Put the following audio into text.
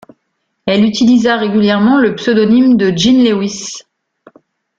Elle utilisa régulièrement le pseudonyme de Jean Lewis.